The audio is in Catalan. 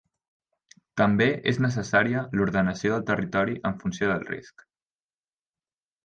També és necessària l'ordenació del territori en funció del risc.